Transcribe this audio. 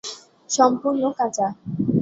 সম্পূর্ণ কাঁচা।